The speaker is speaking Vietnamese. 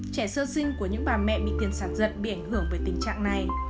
trẻ sơ sinh của những bà mẹ bị tiền sản giật bị ảnh hưởng với tình trạng này